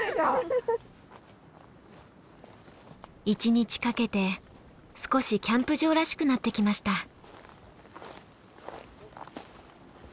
一日かけて少しキャンプ場らしくなってきました。